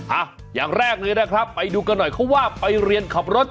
อ่ะอย่างแรกเลยนะครับไปดูกันหน่อยเขาว่าไปเรียนขับรถ